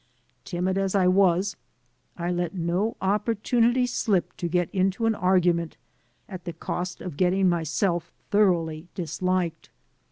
Timid as I was, I let no opportunity slip to get into an argument at the cost of getting myself thoroughly disliked.